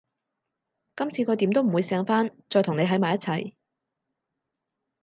今次佢點都會醒返，再同你喺埋一齊